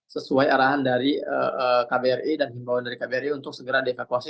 sesuai arahan dari kbri dan himbawan dari kbri untuk segera dievakuasi